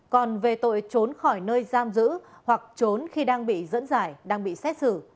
còn về tội trốn khỏi nơi giam giữ hoặc trốn khi đang bị dẫn giải đang bị xét xử